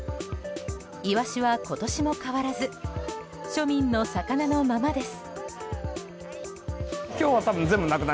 イワシは今年も変わらず庶民の魚のままです。